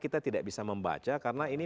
kita tidak bisa membaca karena ini